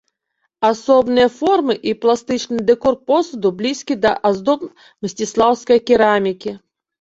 Асобныя формы і пластычны дэкор посуду блізкія да аздоб мсціслаўскай керамікі.